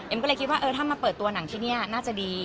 ก็เลยคิดว่าเออถ้ามาเปิดตัวหนังที่นี่น่าจะดี